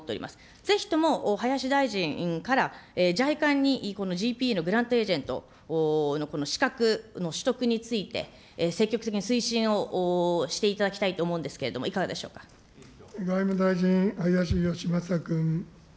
ぜひとも林大臣からＪＩＣＡにこのＧＰＥのグラントエージェントのこの資格の取得について積極的に推進をしていただきたいと思う外務大臣、林芳正君。